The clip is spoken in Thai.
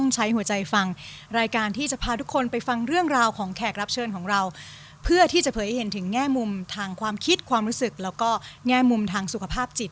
ฉันดูแลยังเข้าใจ